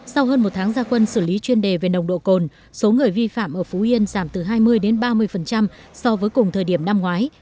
sau hơn một tháng gia quân xử lý chuyên đề về nồng độ cồn số người vi phạm ở phú yên giảm từ hai mươi đến ba mươi so với cùng thời điểm năm ngoái